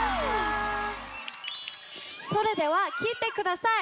それでは聴いてください